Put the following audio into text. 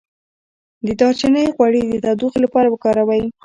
د دارچینی غوړي د تودوخې لپاره وکاروئ